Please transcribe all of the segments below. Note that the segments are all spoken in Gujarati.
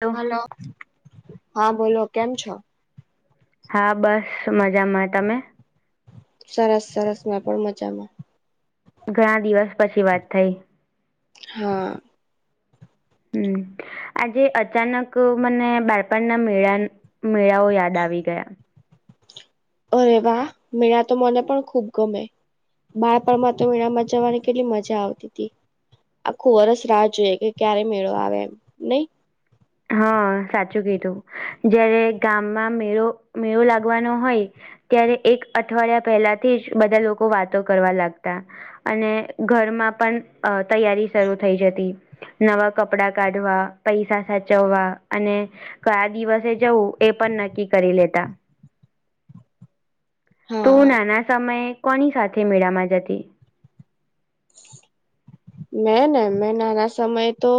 હેલો હલો હા બોલો કેમ છો હા બસ મજામાં તમે સરસ સરસ મે પણ મજામાં ઘણા દિવસ પછી વાત થઈ હા. હમ આજે અચાનક મને બાળપણના મેળા મેળાઓ. ડાવી ગયા. અરે વાહ મેળા તો મને પણ ખુબ ગમે. બાળપણમાં તો મેળામાં જવાની કેટલી મજા આવતી હતી. આખું વર્ષ રાહ જોવે કે ક્યારે મેળો આવે એમ. નઈ હા સાચું કીધું જયારે ગામમાં મેળો મેળો લાગવાનો હોય. ત્યારે એક અઠવાડિયા પહેલા થી જ બધા લોકો વાતો કરવા લાગતા. અને ઘરમાં પણ અ તૈયારી શરું થઈ જતી. નવા કપડા કાઢવા પૈસા સાથે. જવા અને કયા દિવસે જવું એ પણ નક્કી કરી લેતા. તું હા નાના સમયે કોની સાથે મેળામાં જતી. મેં ના મેં નાના સમય તો.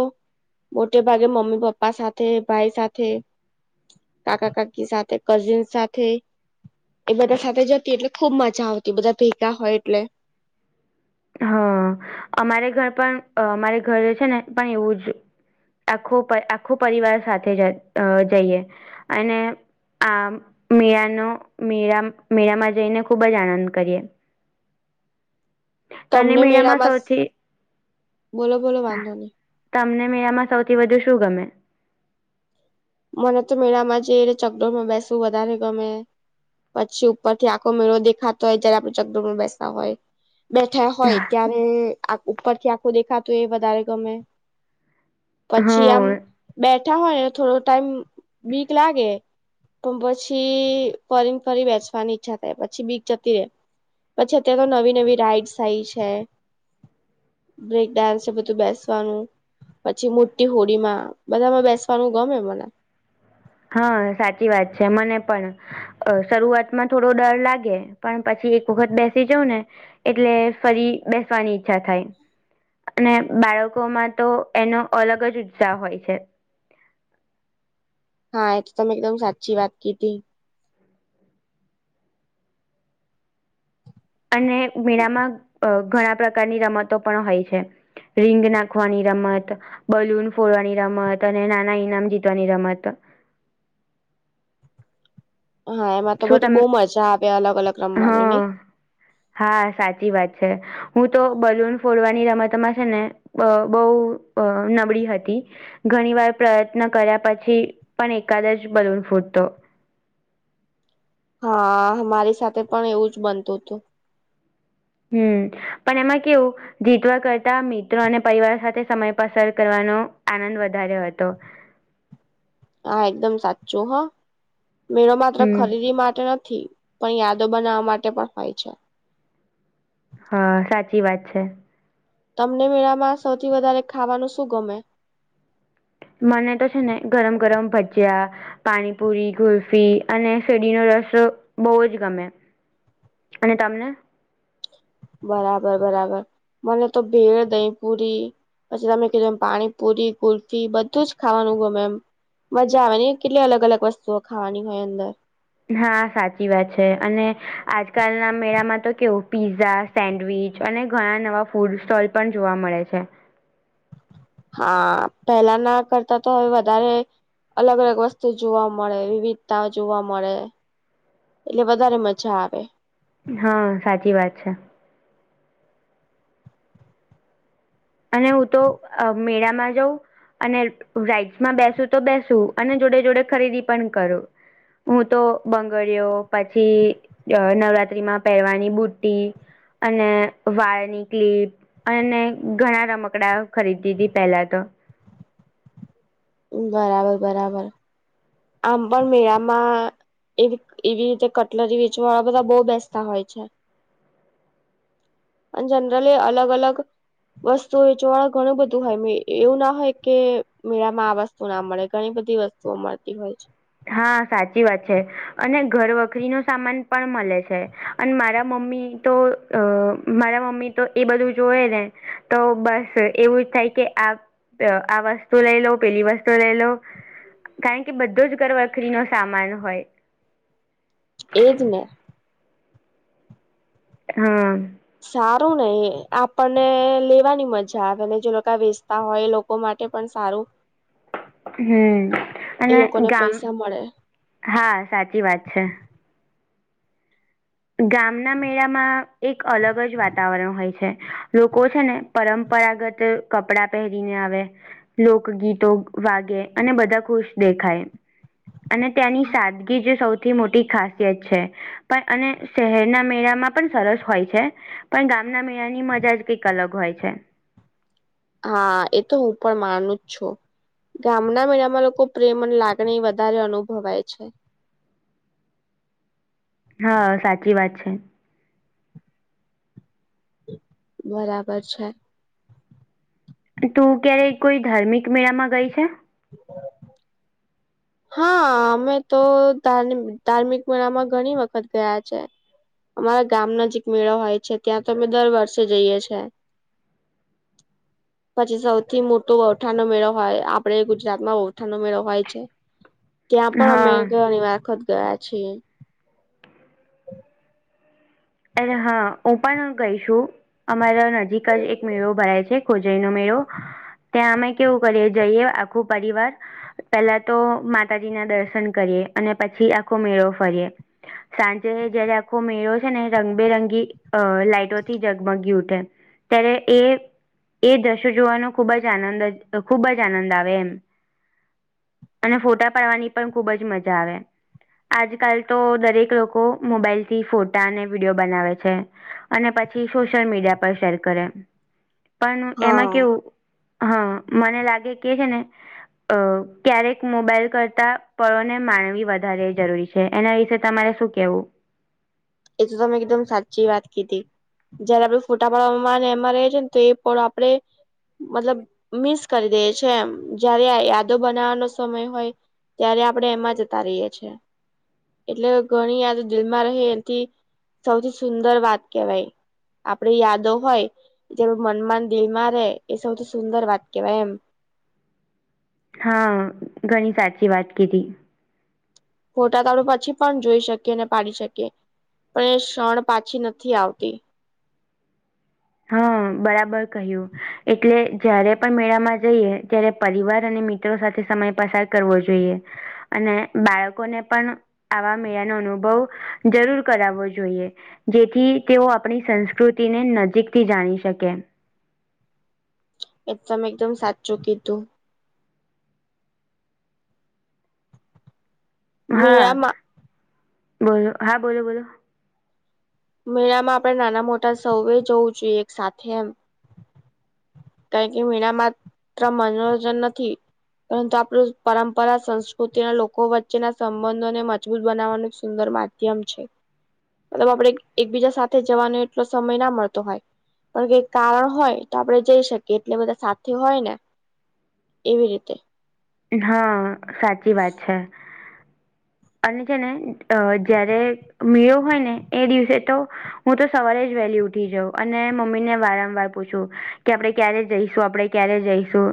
મોટે ભાગે મમ્મી પપ્પા સાથે ભાઈ સાથે. કાકા કાકી સાથે કઝિન સાથે એ બધા સાથે જતી એટલે ખુબ મજા આવતી બધા ભેગા હોય એટલે હ અમારે ઘર પણ અ અમારે ઘરે છે ને પણ એવું જ આખો પ આખો પરિવાર સાથે અ જઈએ અને આ મેરાનો મીરા મેળામાં જઈને ખૂબ જ આનંદ કરીએ. તને મેળામાં સૌથી બોલો બોલો વાંધો નહી તમને મેળામાં સૌથી વધુ શું ગમે મને તો મેળામાં જે ચકડોર માં બેસવું વધારે ગમે પછી ઉપરથી આખો મેળો દેખાતો હોય જયારે આપણે ચકડોળ માં બેસતા હોય. બેઠા હોય ત્યારે આખો ઉપરથી આખું દેખાતું એ વધારે ગમે પછી આમ હા બેઠા હોય ને થોડો ટાઈમ બીક લાગે પણ પછી ફરીને ફરી બેસવાની ઈચ્છા થાય પછી બીક જતી રે પછી અત્યારે તો નવી નવી રાઈડસ આઈ છે. બ્રેક ડાન્સ છે બધું બેસવાનું પછી મોટી હોડીમાં બધામાં બેસવાનું ગમે મને હા સાચી વાત છે મને પણ અ શરૂઆતમાં થોડો ડર લાગે પણ પછી એક વખત બેસી જઉ ને એટલે ફરી બેસવાની ઈચ્છા થાય. અને બાળકોમાં તો એનો અલગ જ ઉત્સાહ હોય છે. હા એ તો તમે એકદમ સાચી વાત કીધી અને મેળામાં અ ઘણા પ્રકારની રમતો પણ હોય છે. રીંગ નાખવાની રમત બલૂન ફોડવાની રમત અને નાના ઈનામ જીતવાની રમત હા એમાં તો શું બધી તમ બહુ મજા આવે અલગ અલગ રમવાની ની હા હા સાચી વાત છે. હું તો બલૂન ફોડવાની રમતમાં છે ને બ બહુ અ નબળી હતી. ઘણી વાર પ્રયત્ન કર્યા પછી પણ એકાદ જ બલુન ફૂટતો હા મારી સાથે પણ એવું જ બનતું હતું. હમ્મ પણ એમાં કેવું જીતવા કરતા મિત્રો અને પરિવાર સાથે સમય પસાર કરવાનો આનંદ વધારે હતો. હા એકદમ સાચું હો મેળો માત્ર હમ ખરીદી માટે ન થી પણ યાદો બનાવવા માટે પણ હોય છે. હા, સાચી વાત છે. તમને મેળામાં સૌથી વધારે ખાવાનું શું ગમે? મને તો છે ને ગરમ ગરમ ભજયા. પાણીપુરી, કુલ્ફી અને શેરડીનો રસ બહુ જ ગમે. અને તમને? બરાબર, બરાબર, મને તો ભેળ, દહીંપૂરી. પછી તમે કીધું એમ પાણીપુરી, કુલ્ફી બધું જ ખાવાનું ગમે એમ. મજા આવે ને, કેટલી અલગ અલગ વસ્તુઓ ખાવાની હોય. હા, સાચી વાત છે, અને આજકાલના મેળામાં તો કેવું પીઝા સેન્ડવીચ અને ઘણા નવા ફૂડ સ્ટોલ પણ જોવા મળે છે. હા, પહેલાંના કરતાં તો હવે વધારે. અલગ અલગ વસ્તુ જોવા મળે, વિવિધતાઓ જોવા મળે. એટલે વધારે મજા આવે. હા, સાચી વાત છે. અને હું તો મેળામાં જઉં. અને રાઈટ્સમાં બેસું તો બેસું અને જોડે જોડે ખરીદી પણ કરું. હું તો બંગળીઓ પછી અને, નવરાત્રીમાં પહેરવાની બુટ્ટી અને વાળની ક્લિપ અને ઘણા રમકડાં ખરીદી હતી પહેલાં તો. બરાબર, બરાબર, આમ પણ મેળામાં એવી એવી રીતે કટલરી વેચવાવાળા બધા બહુ બેસતા હોય છે. અને જનરલી અલગ અલગ વસ્તુ વેચવાવાળા ઘણું બધું હોય એવું, ના હોય કે મેળામાં આ વસ્તુ ના મળે, ઘણી બધી વસ્ તુઓ મળતી હોય છે. હા, સાચી વાત છે, અને ઘરવખરીનું સામાન પણ મળે છે. અને મારા મમ્મી તો અહ, મારા મમ્મી તો એ જોએ ને તો બસ એવું જ થાય કે આ, અહ, આ વસ્તુ લઈ લઉં, પેલી વસ્તુ એક બેમાં કેટલા જણા આવશે? એક લેતું. લઈ લઉં કારણ કે બધો જ ઘરવખરી નો સામાન હોય. એ જ ને. હા. સારું ને, આપણને લેવાની મજા આવે ને, જે લોકો વેચતા હોય એ લોકો માટે પણ સારું. હમ, એ અને લોકોને ગામ પૈસા મળે હા, સાચી વાત છે. ગામના મેળામાં એક અલગ જ વાતાવરણ હોય છે. લોકો છે ને, પરંપરાગત કપડાં પહેરીને આવે લોકગીતો વાગે અને બધા ખુશ દેખાય. અને ત્યાંની સાદગી જ સૌથી મોટી ખાસિયત છે, પણ અને શહેરના મેળામાં પણ સરસ હોય છે. પણ ગામના મેળાની મજા જ કંઈક અલગ હોય છે. એ તો હું પણ માનું જ છું. ગામના મેળામાં લોકો પ્રેમ અને લાગણી વધારે અનુભવાય છે. હા સાચી વાત છે. બરાબર છે. તું ક્યારેય કોઈ ધાર્મિક મેળામાં ગઈ છે. બરાબર હા અમે તો ધાર્મિક-ધાર્મિક મેળામાં ઘણી વખત ગયા છે. અમારા ગામ નજીક મેળો હોય છે ત્યાં તો અમે દર વર્ષે જઈએ છે. [inaudible] પછી સૌથી મોટો વૌઠાનો મેળો હોય આપડે ગુજરાતમાં વૌઠાનો મેળો હોય છે. ત્યા પણ અમે હા ઘણી વખત ગયા છીએ અરે હા હું પણ ગઈ શું અમારા નજીક જ એક મેળો ભરાય છે. ખોજઈ નો મેળ ત્યાં અમે કેવું કરીએ જઈએ આખું પરિવાર પેલા તો માતાજીના દર્શન કરીએ અને પછી આખો મેળો ફરીએ સાંજે જયારે આખો મેળો છે ને રંગબેરંગી અ લાાઈટોથી જગમગી ઉઠે ત્યારે એ એ દ્રશ્યો જોવાનો ખૂબ જ આનંદ જ ખૂબ જ આનંદ આવે એમ અને ફોટા પાડવાની પણ ખુબ જ મજા આવે આજકાલ તો દરેક લોકો મોબાઈલ થી ફોટાને વિડીયો બનાવે છે અને પછી સોશિયલ મીડિયા પર શેર કરે પણ એમાં હા કેવું હા મને લાગે કે હે ને અ ક્યારેક મોબાઈલ કરતા પરોને માનવી વધારે જરૂરી છે. છે, એના વિશે તમારે શું કેવું એ તો તમેં કીધું એમ એકદમ સાચી વાત કીધી જયારે આપડે ફોટા પાડવામાં એમાં રે છે ને તો એ પણ આપડે મતલબ મિસ કરી દઇએ છે એમ જયારે આ યાદો બનાવવાનો સમય હોય, ત્યારે આપણેે એમાં જતા રહીએ છે, એટલે ઘણી યાદો દિલમાં રહે સૌથી સુંદર વાત કેવાય આપડી યાદો હોય જે મનમાં ન દિલમાં રહેે, એ સૌથી સુંદર વાત કેહેવાય એમ હા, ઘણી સાચી વાત કીધી. ફોટા તો આપણે પછી પણ જોઈ શકીએ ને પાડી શકીએ, પણ એ ક્ષણ પાછી નથી આવતી. હા બરાબર કહ્યું. એટલે જયારે પણ મેળામાં જઈએ ત્યારે પરિવાર અને મિત્ મિત્રો સાથે સમય પસાર કરવો જોઈએ, અને બાળકોને પણ આવા મેળા નો અનુભવ જરૂર કરાવવો જોઈએ. જેથી તેઓ આપણી સંસ્કૃતિને નજીકથી જાણી શકે. એકદમ એકદમ સાચું કીધું. હા મેળામાં બોલો, હા બોલો બોલો મેળામાં આપણેે નાના મોટા સૌએ જવું જોઈએ એક સાથે એમ કારણ કે મેળા માત્ર મનોરંજન નથી. પરંતુ આપણું પરંપરા સંસ્કૃતિના લોકો વચ્ચેના સંબંધોને મજબૂત બનાવવાનું એક સુંદર મા માધ્યમ છે. પણ આપડે એક-એકબીજા સાથે જવાનો એટલો સમય ના મળતો હોય. પણ કઇક કારણ હોય તો આપણે જઇ શક્ કે એટલે બધા સાથી હોય ને એવી રીતે હા સાચી વાત છે. અને છે ને અ જયારે મેળો હોય ને એ દિવસે તો, હું તો સવારે જ વેલી ઉઠી જાઉં અને મમ્મી ને વારંવાર પૂછું કે આપણે ક્યારે જઈશું? આપડે ક્યારે જઈશું?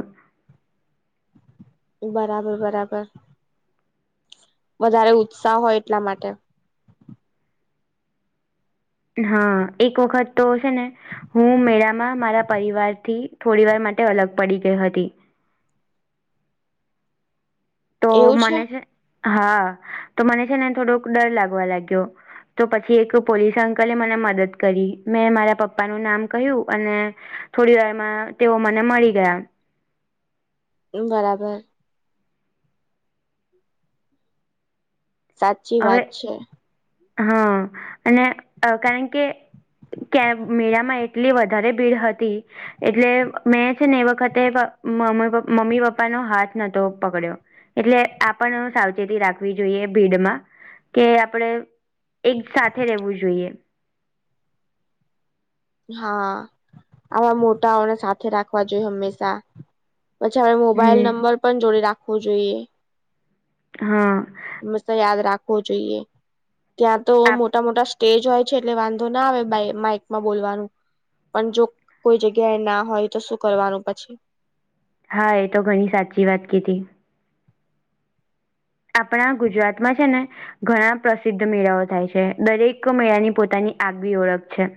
બરાબર, બરાબર વધારે ઉત્સાહ હોય એટલા માટે હા એક વખત તો છે ને હું મેળામાં મારા પરિવાર થી થોડી વાર માટે અલગ પડી ગઈ હતી. તો મને છે હા તો મને છે ને થોડોક ડર લાગવા લાગ્યો. તો પછી એક પોલીસ અંકલે મને મદદ કરી મેં મારા પપ્પાનું નામ કહ્યું અને થોડી વારમાં તેઓ મને મળી ગયા. બરાબર. સાચી હવે વાત છે. હા અને કારણ કે કે મેળામાં એટલી વધારે ભીડ હતી. એટલે મેં છે ને એ વખતે મમ્મી પપ્પાનો હાથ નતો પકડ્યો. એટલે આપણ સાવચેતી રાખવી જોઈએ ભીડમાં. કે આપડે એક સાથે રહેેવું જોઈએ. હા. આવા મોટાઓ ને સાથે રાખવા જોઈએ હંમેશા. પછી હવે મોબાઈલ નંબર હમ પણ જોડે રાખવો જોઈએ. હા. યાદ રાખવો જોઈએ ત્યાં તો આપ મોટા મોટા સ ટેજ હોય છે એટલે વાંધો ના આવે માઇકમાં બોલવાનું. પણ જો કોઈ જગ્યાએ ના હોય તો શું કરવાનું પછી? હા, એ તો ઘણી સાચી વાત કીધી. આપણા ગુજરાતમાં છે ને! ઘણા પ્રસિદ્ધ મેળાઓ થાય છે. દરેક મેળાની પોતાની આગવી ઓળખ છે.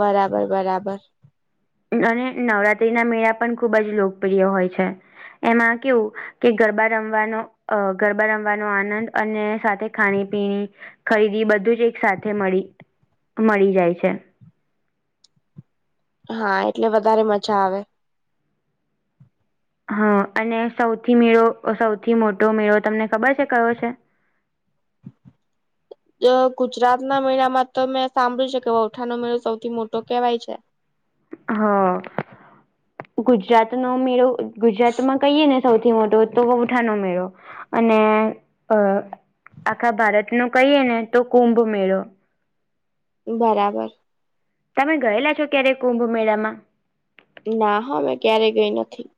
બરાબર બરાબર. અને નવરાત્રી ના મેળા પણ ખુબ જ લોકપ્રિય હોય છે. એમાં કેવું કે ગરબા રમવાનો અ ગરબા રમવાનો આનંદ અને સાથે ખાણી પીણી ખરીદી બધું જ એક સાથે મળી મળી જાય છે. હા એટલે વધારે મજા આવે હા અને સૌથી મેળો સૌથી મોટો મેળો તમને ખબર છે કયો છે? જો ગુજરાત ના મેળામાં તો મેં સાંભળ્યું છે કે વૌવઠાનો મેળો સૌથી મોટો કેહેવાય છે. હા ગુજરાત નો મેળો ગુજરાતમાં કહીએ ને સૌથી મોટો તો વૈઠાનો મેળો અને અ આખા ભારતનો કહીએ ને તો કુંભ મેળો બરાબર તમે ગયેલા છો ક્યારે કુંભ મેળામાં? ના હો મે ક્યારે ગઈ નથી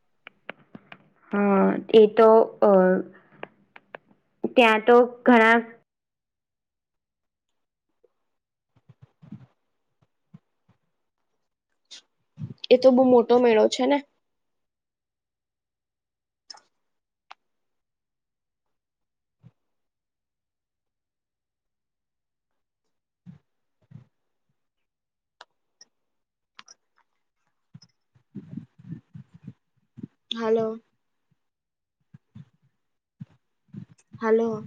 હા એ તો અ ત્યાં તો ઘણા એતો બહુ મોટો મેળો છે ને હાલો હાલો